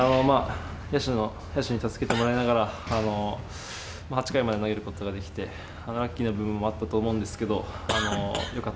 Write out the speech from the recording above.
野手に助けてもらいながら、８回まで投げることができて、ラッキーな部分もあったと思うん